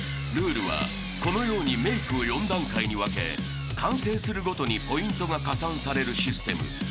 ルールはこのようにメイクを４段階に分け完成するごとにポイントが加算されるシステム。